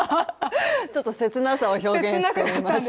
ちょっと切なさを表現してみました。